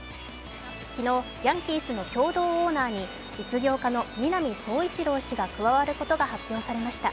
昨日、ヤンキースの共同オーナーに実業家の南壮一郎氏が加わることが発表されました。